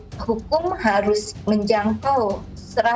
bagaimana dengan korban korban kekerasan seksual yang sejak digitalnya akan dikendalikan